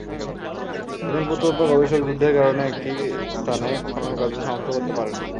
একজন প্রত্নতত্ত্ব গবেষক যুদ্ধের কারণে একটি স্থানে খননকাজ সমাপ্ত করতে পারেন না।